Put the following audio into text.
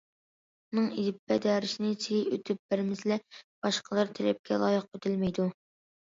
ئۇنىڭ ئېلىپبە دەرسىنى سىلى ئۆتۈپ بەرمىسىلە باشقىلار تەلەپكە لايىق ئۆتەلمەيدۇ.